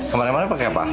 kemarin kemarin pakai apa